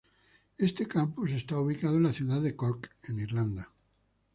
Este campus está ubicado en la ciudad de Cork en Irlanda.